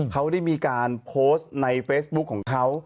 เขาได้มีการโพสต์ในเฟซบุ๊คของเขา